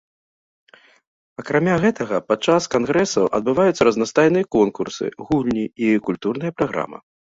Акрамя гэтага падчас кангрэсаў адбываюцца разнастайныя конкурсы, гульні і культурная праграма.